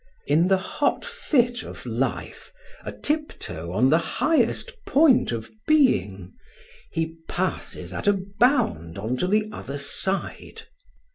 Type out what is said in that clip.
In the hot fit of life, a tip toe on the highest point of being, he passes at a bound on to the other side.